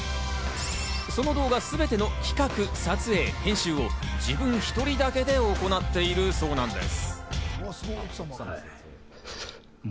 その動画全ての企画・撮影・編集を自分一人だけで行っているそうなんです。